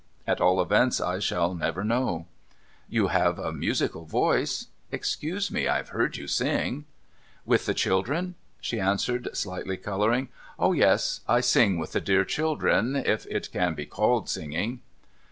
At all events, I shall never know.' ' You have a musical voice. Excuse me ; I have heard you sing.' ' With the children ?' she answered, slightly colouring. ' Oh yes. I sing with the dear children, if it can be called singing.'